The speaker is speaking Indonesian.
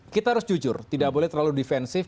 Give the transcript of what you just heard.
kita harus jujur tidak boleh terlalu defensif